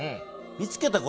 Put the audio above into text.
見つけた事？